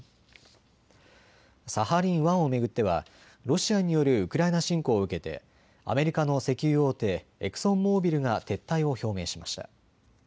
サハリン１を巡ってはロシアによるウクライナ侵攻を受けてアメリカの石油大手、エクソンモービルが撤退を表明しました。